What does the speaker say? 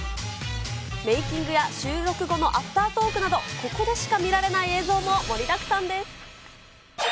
メーキングや収録後のアフタートークなど、ここでしか見られない映像も盛りだくさんです。